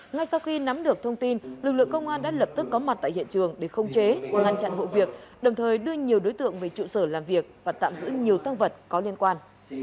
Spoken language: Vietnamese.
ngay sau khi nắm được thông tin lực lượng công an đã lập tức có mặt tại hiện trường để không chế ngăn chặn vụ việc đồng thời đưa nhiều đối tượng về trụ sở làm việc và tạm giữ nhiều tăng vật có liên quan